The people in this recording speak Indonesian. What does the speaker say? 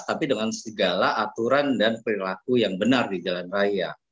tapi dengan segala aturan dan perilaku yang benar di jalan raya